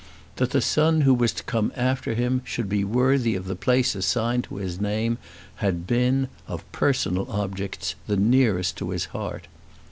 That the son who was to come after him should be worthy of the place assigned to his name had been, of personal objects, the nearest to his heart.